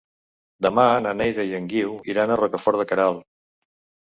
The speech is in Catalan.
Demà na Neida i en Guiu iran a Rocafort de Queralt.